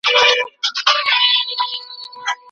د پرمختيا پروسې ډېر مثبت تغيرات راوستي وو.